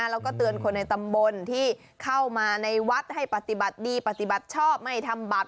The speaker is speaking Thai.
แล้วก็เตือนคนในตำบลที่เข้ามาในวัดให้ปฏิบัติดีปฏิบัติชอบไม่ทำบัตร